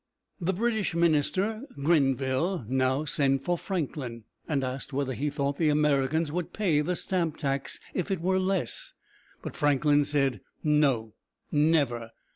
The British minister, Gren´ville, now sent for Franklin, and asked whether he thought the Americans would pay the stamp tax if it were less. But Franklin said: "No; never!